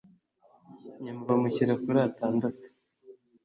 nyuma bamushyira kuri atandatu